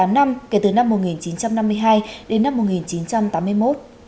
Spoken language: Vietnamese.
một mươi năm năm kể từ năm một nghìn chín trăm năm mươi hai đến năm một nghìn chín trăm tám mươi một